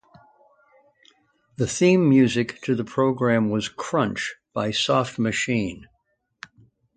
The theme music to the program was "Crunch" by Soft Machine.